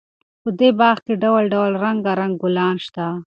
په دې باغ کې ډول ډول رنګارنګ ګلان شته.